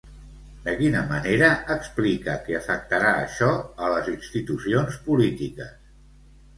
De quina manera explica que afectarà això a les institucions polítiques?